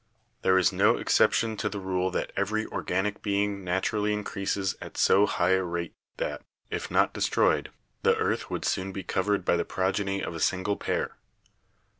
"There is no exception to the rule that every organic being naturally increases at so high a rate that, if not destroyed, the earth would soon be covered by the progeny of a single pair.